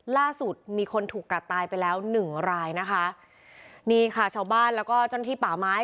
ล่าสุดมีคนถูกกัดตายไปแล้วหนึ่งรายนะคะนี่ค่ะชาวบ้านแล้วก็เจ้าหน้าที่ป่าไม้